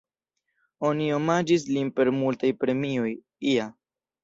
Oni omaĝis lin per multaj premioj, ia.